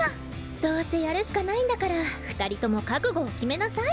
どうせやるしかないんだからふたりともかくごをきめなさい。